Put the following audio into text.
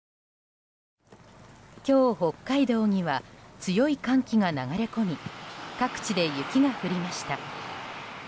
今日、北海道には強い寒気が流れ込み各地で雪が降りました。